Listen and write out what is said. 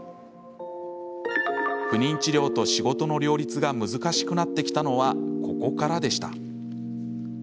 不妊治療と仕事の両立が難しくなってきたのはここからでした。